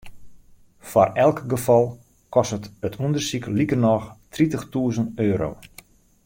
Foar elk gefal kostet it ûndersyk likernôch tritichtûzen euro.